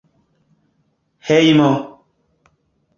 hejmo